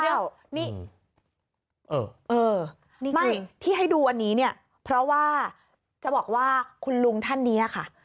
นี่ไม่ที่ให้ดูอันนี้เนี่ยเพราะว่าจะบอกว่าคุณลุงท่านนี้ค่ะ